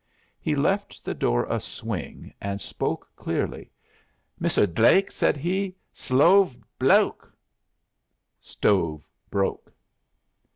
He left the door a swing and spoke clearly. "Misser Dlake," said he, "slove bloke" (stove broke).